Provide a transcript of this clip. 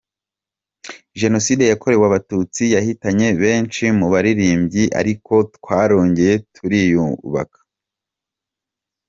Jenoside yakorewe Abatutsi yahitanye benshi mu baririmbyi, ariko twarongeye turiyubaka .